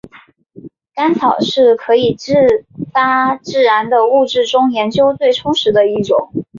干草是可以发生自燃的物质中研究最充分的一种。